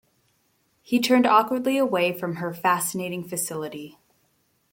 He turned awkwardly away from her, fascinating facility.